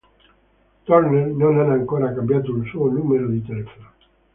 Turner non ha ancora cambiato il suo numero di telefono.